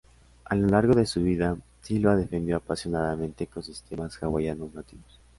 A lo largo de su vida, Sylva defendió apasionadamente ecosistemas hawaianos nativos.